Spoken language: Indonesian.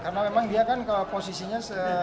karena memang dia kan posisinya